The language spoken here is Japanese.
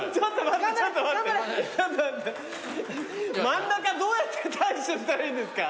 真ん中どうやって対処したらいいんですか？